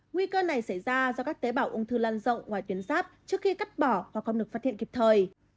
nguy cơ này xảy ra do các tế bào ung thư lan rộng ngoài tuyến giáp trước khi cắt bỏ hoặc không được phát hiện kịp thời